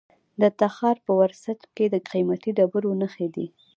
د تخار په ورسج کې د قیمتي ډبرو نښې دي.